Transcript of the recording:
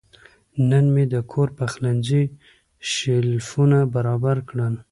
نن مې د کور پخلنځي شیلفونه برابر کړل.